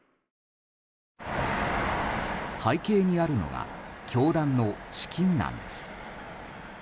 背景にあるのが教団の資金難です。